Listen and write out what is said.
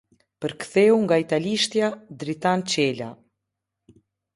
Përktheu nga italishtja: Dritan Çela.